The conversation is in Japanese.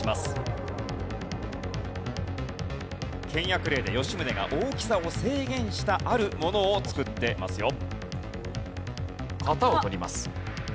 倹約令で吉宗が大きさを制限したあるものを作ってますよ。